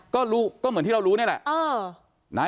ก็รู้ก็เหมือนที่เรารู้นี่แหละ